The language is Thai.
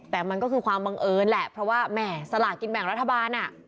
แต่มันก็คือความบังเอิญแหละเพราะว่าแหม่สลากินแบ่งรัฐบาลอ่ะ